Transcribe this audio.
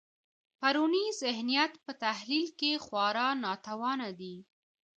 پرونی ذهنیت په تحلیل کې خورا ناتوانه دی.